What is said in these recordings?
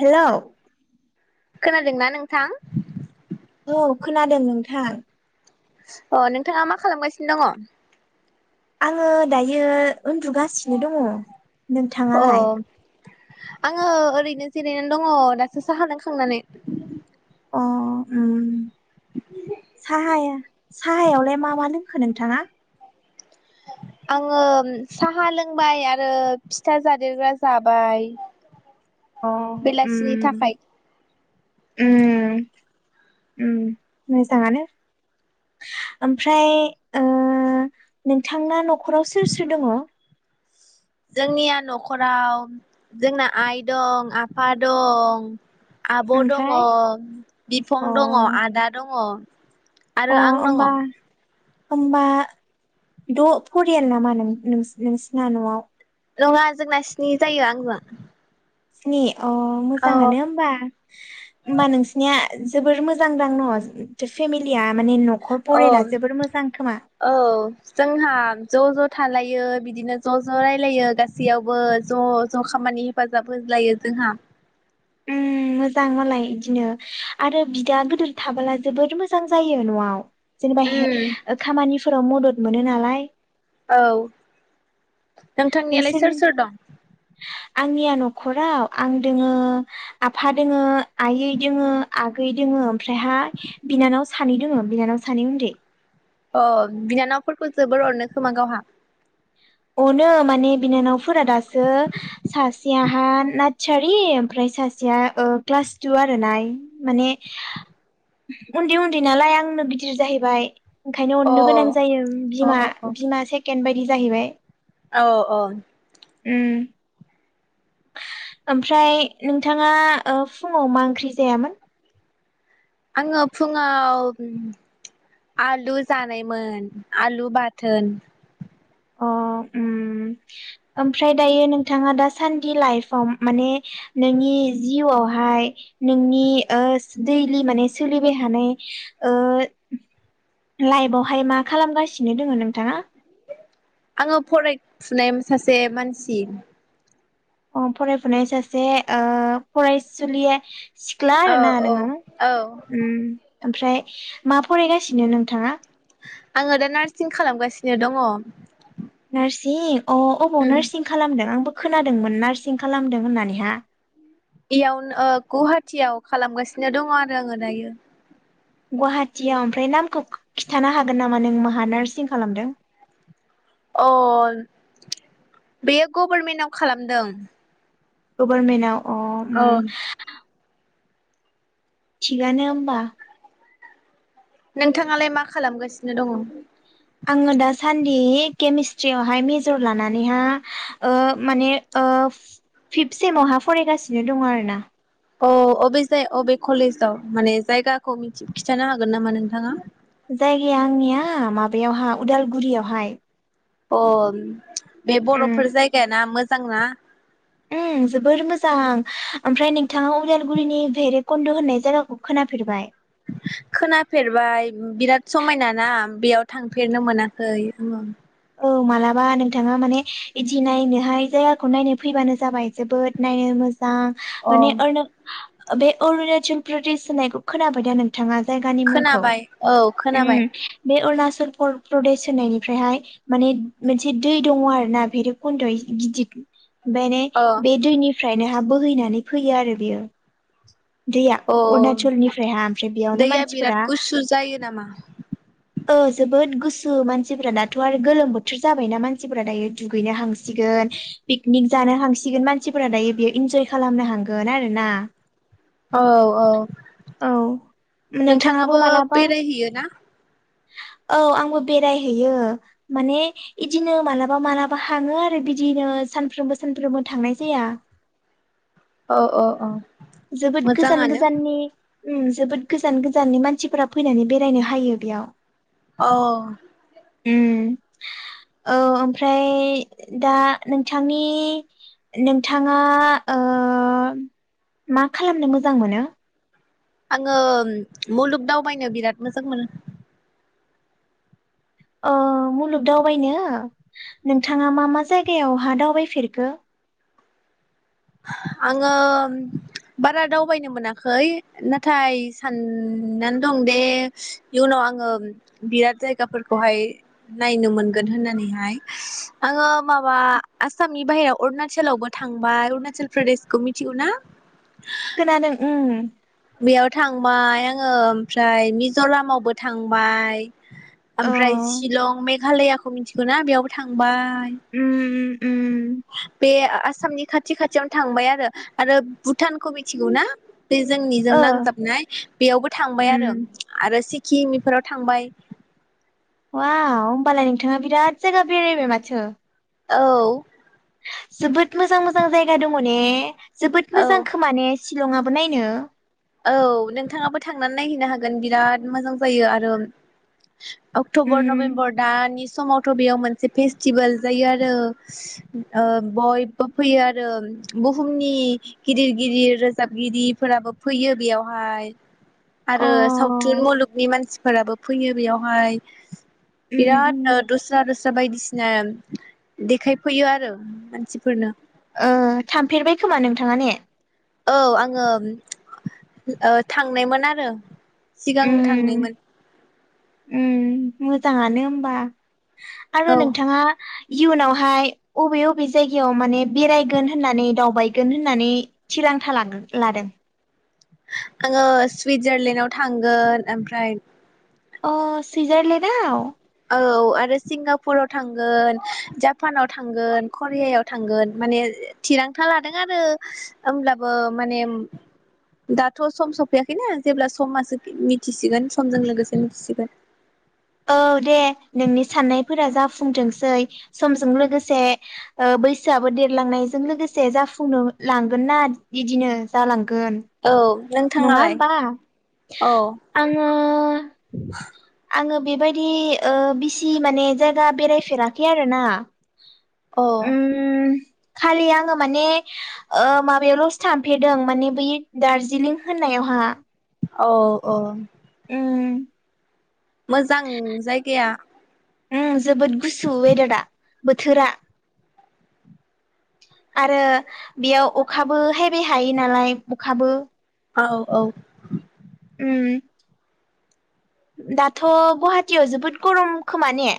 Hello खोनादोंना नोंथां? औ खोनादों नोंथां। अ नोंथाङा मा खालामगासिनो दङ? आङो दायो। उन्दुगासिनो दङ अ नोंथाङालाय? आङो ओरैनो जिरायनानै दङ दासो साहा लोंखांनानै। अ ओम साहाया साहायावलाय मा मा लोंखो नोंथाङा? आङो साहा लोंबाय आरो फिथा जादेरग्रा जाबाय। अ बेलासिनि उम थाखाय उम उम मोजाङानो ओमफ्राय ओ नोंथांना नखराव सोर सोर दङ? जोंनिया नखराव जोंना आइ दं आफा दं आब' दङ ओमफ्राय अ बिफं दङ आदा दङ अ आरो आं दङ होमबा होमबा द' फरियाल नामा नों नों नोंसिना न'आव नङा जोंना स्नि जायो आंजो स्नि अ मोजाङानो होमबा होमबा नोंसिनिया जोबोर मोजां दां न' फेमिलिया माने न'खर औ परियाला जोबोर मोजां खोमा औ जोंहा ज' ज' थालायो बिदिनो ज' ज' रायलायो गासैयावबो ज' ज' खामानि हेफाजाब होज्लायो जोंहा उम मोजां मालाय बिदिनो आरो बिदा गोदोर थाबोला जबोद मोजां जायो न'आव जेनेबा उम खामानि फोराव मदद मोनो नालाय औ नोंथांनियालाय नोंसोर सोर सोर दं आंनिया न'खराव आं दोङो आफा दोङो आइयै दोङो आगै दोङ ओमफ्रायहा बिनानाव सानै दोङ बिनानाव सानै उन्दै अ बिनानावफोरखौ जोबोर अनो खोमा गावहा अनो माने बिनानावफोरा दासो सासेयाहा नार्सारि ओमफ्राय सासेया ओ क्लास टु आर ना माने उन्दै उन्दै नालाय आंनो गिदिर जाहैबाय ओंखायनो अ अननो गोनां जायो अ बिमा अ अ बिमा से केन बायदि जाहैबाय औ अ उम ओमफ्राय नोंथाङा फुङाव ओ मा ओंख्रि जायामोन? आङो फुङाव आलु जानायमोन आलु बाथोन अ उम ओमफ्राय दायो नोंथाङा दा सान्दि लाइफआव माने नोंनि जिउआवहाय नोंनि ओ दैलि माने सोलिबाय थानाय ओ लाइफआवहाय मा खालामगासिनो दोङो नोंथाङा? आङो फरायफुनाय सासे मानसि अ फरायफुनाय सासे ओ फरायसुलिया सिख्ला औ आरो ना औ नोङो औ ओमफ्राय मा फरायगासिनो नोंथाङा? आङो दा नार्सिं खालामगासिनो दङ नार्सिं अ अबाव नार्सिं खालामदों आंबो खोनादोंमोन नार्सिं खालामदों होननानैहा इयावनो गुवाहाटियाव खालामगासिनो दङ आरो आङो दायो गुवाहाटियाव ओमफ्राय नामखौ खिन्थानो हागोन नामा नों माहा नार्सिं खालामदों? अ बेयो गभर्मेन्टाव खालामदों गभर्नमेन्टाव अ उम थिगानो होमबा नोंथाङालाय मा खालामगासिनो दङ? आङो दासान्दि केमेस्ट्रियावहाय मेजर लानानैहा ओ माने ओ फिफ्थ सेमावहा फरायगासिनो दङ आरो ना। अ अबे जाय अबे कलेजाव माने जायगाखौ मिथि खिन्थानो हागोन नामा नोंथाङा? जायगाया आंनिया माबायावहा उदालगुरियावहाय। अ बे बर'फोर जायगाय ना मो [unintelligible] ओम जोबोर मोजां ओमफ्राय नोंथाङा उदालगुरिनि भैरेबकन्न्द होननाय जायगाखौ खोनाफेरबाय? खोनाफेरबाय बिराद समायना ना बेयाव थांफेरनो मोनाखै ओम औ मालाबा नोंथाङा माने इदि नायनोहाय जायगाखौ नायनो फैबानो जाबाय जोबोद नायनो मो दा अ माने ओरना बे अरुणाचल प्रदेश होननायखौ खोनाबाय दा नोंथाङा जायगानि मुंखौ खोनाबाय औ खोनाबाय ओम बे अरना [unintelligible] प्रदेश होननायनिफ्रायहाय माने मोनसे दै दङ आरो ना भरकन्द गिदिर बेेने अ बे दैनिफ्रायनो हा बोहैनानै फैयो आरो बियो। दैया अ अरुणचलनिफ्रायहा ओमफ्राय बेयावनो दैया बिराद मानसिफोरा गुसु जायो नामा? ओ जोबोद गुसु मानसिफोरा दाथ आरो गोलोम बोथोर जाबायना मानसिफोरा दायो दुगैनो हांसिगोन पिकनिक जानो हांसिगोन मानसिफोरा दायो बेयो इन्जय खालामनो हांगोन आरो ना। औ औ नोंथाङाबो बेरायहैयो ना? औ आंबो बेरायहैयो माने इदिनो मालाबा मालाबा हाङो आरो बिदिनो सानफ्रोमबो सानफ्रोमबो थांनाय जाया। औ औ औ जोबोद गोजान मोजाङानो गोजाननि ओ जोबोद गोजान गोजाननि मानसिफोरा फैनानै बेरायनो हायो बेयाव। औ औ ओम औ ओमफ्राय दा नोंथांनि नोंथाङा ओ मा खालामनो मोजां मोनो? आङो मुलुग दावबायनो बिराद मोजां मोनो। ओ मुलुग दावबायनो नोंथाङा मा मा जायगायावहा दावबायफेरखो? आङो बारा दावबायनो मोनाखै नाथाय साननानै दं दे इयुनाव आङो बिराद जायगाफोरखौहाय नायनो मोनगोन होननानैहाय आङो माबा आसामनि बाहेराव अरुणाचलावबो थांबाय अरना चल प्रदेशखौ मिथिगौना? खोनादों ओ बेयाव थांबाय आङो ओमफ्राय मिजरामावबो थांबाय। औ ओमफ्राय शिलं मेघालयाखौ मिथि [unintelligible] बेयावबो थांबा उम उम बे आसामनि खा खाथि खाथियावनो थांबाय आरो, आरो भुटानखौ मिथिगौ ना? बे जोंनिजों ओ नांजाबनाय बेयावबो थांबाय आरो, उम आरो सि किम इफोराव थांबाय वाव, होनबालाय नोंथांआ बिराद जायगा बेरायबाय माथो। औ जोबोद मोजां मोजां जायगा दङ ने जोबोद औ मोजां खोमा ने सि लंआबो नायनो औ नोंथाङाबो थांनानै नायहैनो हागोन बिराद मोजां जायो आरो अक्टबर उम नभेम्बर दानि समावथ' बेयाव मोनसे फेस्टिबोल जायो आरो ओ बयबो फैयो आरो बुहुमनि गिदिर गिदिर रोजाबगिरिफोराबो सब फैयो बेयावहाय अ आरो सावथुन मुलुगनि मानसिफो फोराबो फैयो बेयावहाय उम बिराद ओ उम दस्रा दस जा बायदिसिना देखायफैयो आरो मानसिफोरनो ओ थांफेरबाय खोमा नोंथाङा ने? औ आङो ओ थांनायमोन आरो सिगां उम थांनायमोन। उम मोजाङानो ओमबा। आरो औ नोंथाङा इयुनावहाय अबे अबे जायगायाव माने बेरायगोन होननानै दावबायगोन होननानै थिरांथा लाखो लादों? आङो सुइजारलेण्डआव थांगोन ओमफ्राय अ सुइजारलेडआव औ आरो सिंगापुराव थांगोन, जापानाव थांगोन, करियायाव थांगोन, माने थिरांथा लादों आरो होमब्लाबो माने दाथ' सम सफैयाखैना, जेब्ला समासो मिथिसिगोन समजों लोगोसे मिथिसि औ दे नोंनि साननायफोरा जाफुंथोंसै समजों लोगोसे बैसोआबो ओ देरलांनायजों लोगोसे जाफुंनो लांगोन ना इदिनो जालां औ नङा नोंथाङालाय होमबा औ आङो आ आङो बेबायदि ओ बिसि माने जायगा बेरायफेराखै आरो ना। औ उम खालि आङो माने ओ माबायावल'सो थांफेरदों माने बै दारजिलिं होननायाव हा औ औ मोजां जायगाया उम जोबोद गुसु वेदारा। बोथोरा आरो बेयाव अखाबो हायबाय थायो नालाय अखाबो औ औ उम दाथ' गुवाहाटियाव जोबोद गरम खोमा ने?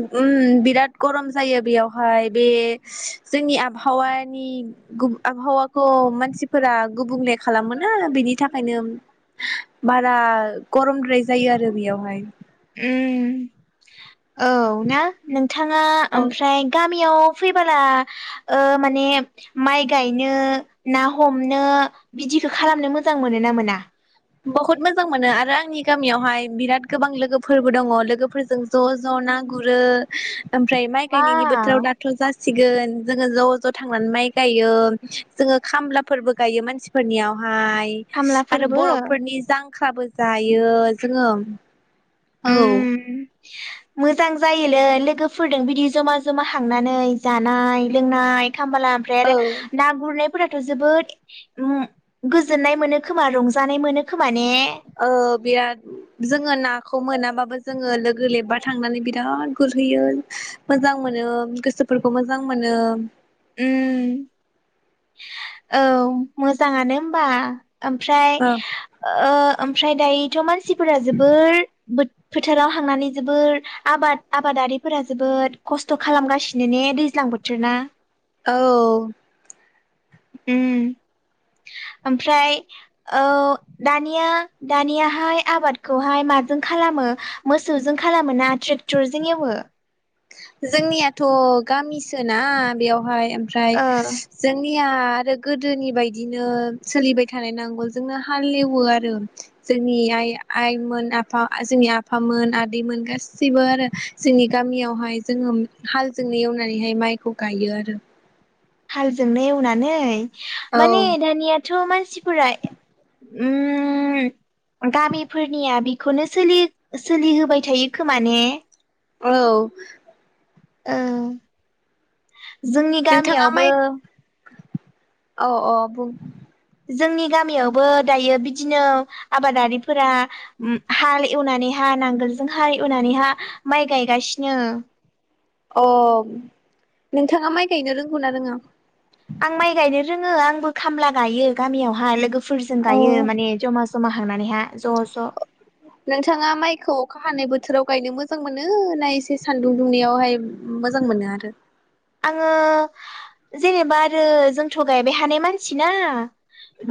उम बिराद गरम जायो बेयावहाय बे जोंनि आबहावानि गुब आबहावाखौ मानसिफोरा गुबुंले खालामोना आरो बेनि थाखायनो बारा गरमद्राय जायो आरो बेयावहाय। उम औ ना नोंथाङा औ ओमफ्राय गा गामियाव फैबोला माने माइ गायनो ना हमनो बिदिखौ खालामनो मोजां मोनो ना मोना? बहुत मोजां मोनो आरो आंनि गामियावहाय बिराद गोबां लोगोफोरबो दङ लोगोफोरजों ज' ज' ना गुरो ओमफ्राय माइ गायनायनि बोथोराव वाव दाथ' जासिग सिगोन जोङो ज' ज' थांनानै माइ गायो जोङो खामलाफोरबो गायो मानसिफोरनियाव। हाय आरो खामलाफोरबो बर' जांख्राबो जायो जोङो। औ। उम मोजां जायोलै लोगोफोरदो बिदि जमा जमा हांनानै जानाय लोंनाय। [unintelligible] ओमफ्राय औ आरो ना गुरनाय फोराथ' जोबोद गोजोननाय मोनो खोमा रंजानाय मोनो खोमा। ने? बिराद जोङो नाखौ मोनाबा बो जोङो लोगो लेबा थांनानै बिराद गुरहैयो मोजां मोनो गोसोफोरखौ मोजां मोनो। औ मोजाङानो होमबा। ओमफ्राय औ ओ ओमफ्राय दायोथ' मानसिफोरा जोबोर फोक्षफोथाराव हांनानै जोबोर आबाद आबादारिफोरा जोबोद खस्थ' खालामगासिनो ने दैज्लां बोथोर ना? औ। ओम ओमफ्राय औ दानिया दानियाहाय आबादखौहाय माजों खालामो मोसौजों खालामो ना ट्रेक्टरजों एवो? जोंनियाथ' गामिसोना बेयाव बेवहाय ओमफ्राय ओ जोंनि निया आरो गोदोनि बदिनो सोलिबाय थानाय नांगौ जोंनो हालेवो आरो जोंनि आइ आइमोन आफा जोंनि आफामोन आदैमोन गासिबो आरो जोंनि गामियाव। बेहाय जोङो हालजोंनो एवनानैहाय माइखौ गायो आरो। हालजोंनो एवनानै? औ माने दानियाथ' मानसिफोरा उम गामिफोरनिया बि खौनो सोलि सोलिहोबाय थायो खोमा ने? औ। औ। जोंनि नोंथाङा माइ गामियावबो अ अ बुं। जोंनि गामियावबो दायो बिदिनो आबादारिफोरा हाल एवनानैहाय नांगोलजोंहाय एवनानैहा माइ गायगासिनो। अ नोंथाङा माइ गायनो रोंगौ ना रोङा? आं माइ गायनो रोङो आंबो खामला गायो गामियावहाय लोगोफोर फोरजों गायो अ माने जमा। जमा हांनानैहा। ज' ज' नोंथाङा माइखौ अखा हानाय बो थोराव गायनो मोजां मोनो ना एसे सानदुं दुंनायावहाय मोजां मोनो आरो? आङो जेनेबा आरो जोंथ' गायबाय हानाय मानसि ना।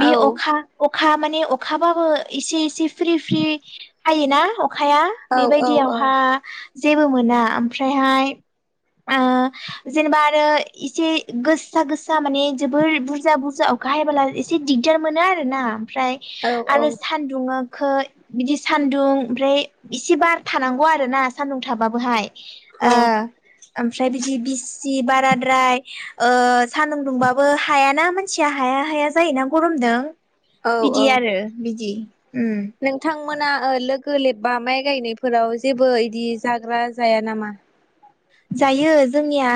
बि अखा अखा माने अखाबाबो इसे इसे फ्रि फ्रि हायोना अ खाया औ औ बेबायदियावहा जेबो मोना आमफ्रायहाय ओ जेनेबा आरो इसे गोस्सा गोस्सा माने जोबोर बुरजा बुरजा अखा हायबोला एसे दिगदार मोनो आरोना। फ्राय औ आरो सान्दुङा खो बिदि सान्दुं ओमफ्राय इसे बार थानांगौ आरो ना सान्दुं थाबाबोहाय। औ ओ। आमफ्राय बिदि बिस जि बाराद्राय ओ सान्दुं दुंबाबो हायाना मानसिया हाया हाया जायोना गरमदों। औ औ बिदि आरो बिदि। उम। मोना ओ लोगो लेबबा माइ गायनायफोराव जेबो इदि जाग्रा जाया नामा? जायो जोंनिया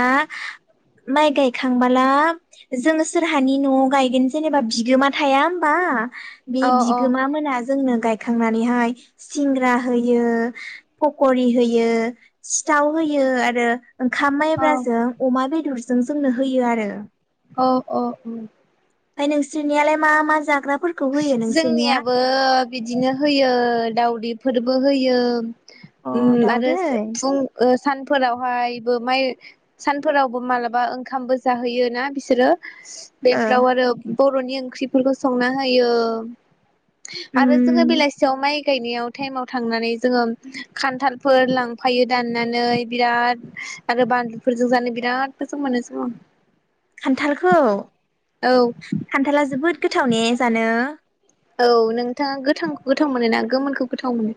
माइ गायखांबोला जोंङो सोरहानि न'आव गायगोन जेनेबा बिगोमा थाया होमबा बे अ अ बिगोमा मोना जोंनो गाय खांनानैहाय सिंग्रा होयो फ'ख'रि होयो सिथाव होयो आ रो ओंखाम अ माइब्रा जों अमा बेदर जों जोंनो होयो आरो। औ औ औ। फाय नोंसोरनियालाय मा मा जाग्रा जोंनियाबो बिदिनो होयो दावदैफोर बो होयो। अ उम आरो दाउदै फुं ओ सानफोरावहायबो माइ सानफोरावबो मालाबा ओंखामबो जाहोयो ना बिसोरो। ओ बेफ्राव आरोब बर'नि ओंख्रिफोरखौ संना होयो। उम आरो जोङो बेलासियाव माइ गायनायाव टाइमाव थांनानै जोङो खान्थालफोर लांफायो दाननानै बिराद आरो बानलुफोरजों जानो बिराद मोजां मोनो जोङो। खान्थालखौ औ खान्थाला जोबोद गोथाव ने जानो। औ नोंथाङा गोथांखौ गोथाव मोनो ना गोमोनखौ गोथाव मोनो?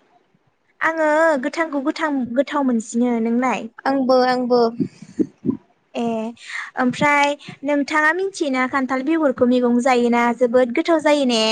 आङो गोथांखौ गोथां गोथाव मोनसिनो। नोंलाय आंबो आं बो। ए ओमफ्राय नोंथाङा मिथियोना खान्थाल बेगरखौ मैगं जायोना जोबोद गोथाव जायो ने।